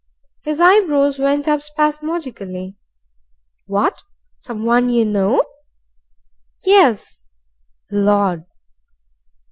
His eyebrows went up spasmodically. "What! someone you know?" "Yes." "Lord!"